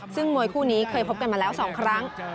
ซึ่งมวยคู่นี้เคยพบกันมาแล้ว๒ครั้ง